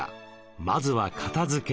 まずは片づけ。